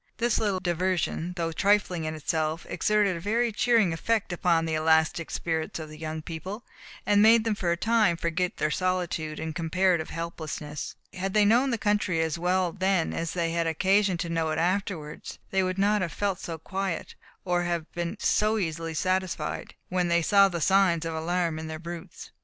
This little diversion, though trifling in itself, exerted a very cheering effect upon the elastic spirits of the young people, and made them for a time forget their solitude and comparative helplessness. Had they known the country as well then as they had occasion to know it afterwards, they would not have felt so quiet, or have been so easily satisfied, when they saw the signs of alarm in their brutes.